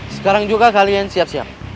sekarang juga kalian siap siap